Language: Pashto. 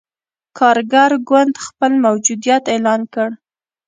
کارګر ګوند خپل موجودیت اعلان کړ.